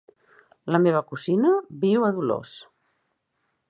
La meva cosina viu a Dolors.